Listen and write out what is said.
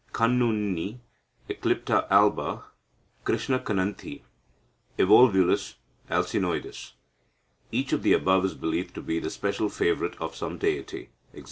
Kannunni (Eclipta alba). Krishnakananthi (Evolvulus alsinoides). "Each of the above is believed to be the special favourite of some deity, e.g.